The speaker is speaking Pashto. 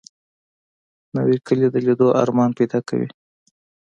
نوې کلی د لیدو ارمان پیدا کوي